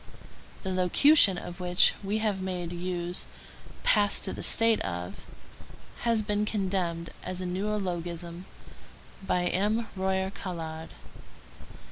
The locution of which we have made use—passed to the state of—has been condemned as a neologism by M. Royer Collard.